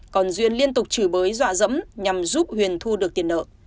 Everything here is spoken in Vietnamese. còn duyên liên tục chửi bới dọa dẫm nhằm giúp huyền thu được tiền nợ